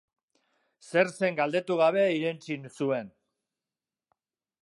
Zer zen galdetu gabe irentsi zuen.